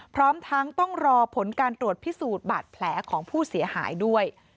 พร้อมทั้งต้องรอผลการตรวจพิสูจน์บาดแผลของผู้เสียหายด้วย